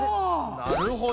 なるほど。